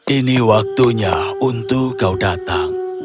ini waktunya untuk kau datang